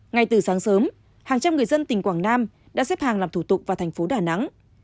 ngay từ sáng sớm hàng trăm người dân tỉnh quảng nam đã xếp hàng làm thủ tục vào thành phố đà nẵng